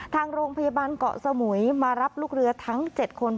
ทางโรงพยาบาลเกาะสมุยมารับลูกเรือทั้ง๗คน